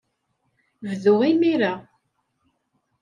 Bdu imir-a.